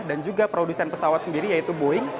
dan juga produsen pesawat sendiri yaitu boeing